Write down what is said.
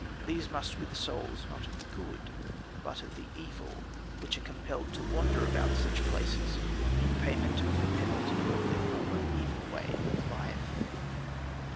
These must be the souls, not of the good, but of the evil, which are compelled to wander about such places in payment of the penalty of their former evil way of life."